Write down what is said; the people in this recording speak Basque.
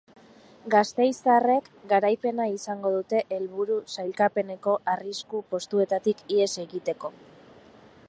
Gasteiztarrek garaipena izango dute helburu sailkapeneko arrisku postuetatik ihes egiteko.